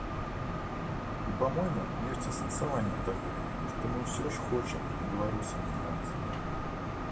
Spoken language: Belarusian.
І, па-мойму, ёсць асэнсаванне таго, што мы ўсё ж хочам беларусамі звацца.